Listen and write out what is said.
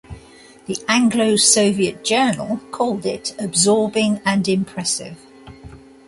The Anglo-Soviet Journal called it "absorbing and impressive".